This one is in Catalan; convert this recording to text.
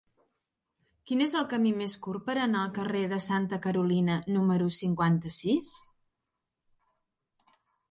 Quin és el camí més curt per anar al carrer de Santa Carolina número cinquanta-sis?